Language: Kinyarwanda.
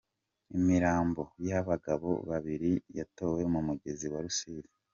: Imirambo y’abagabo babiri yatowe mu mugezi wa Rusizi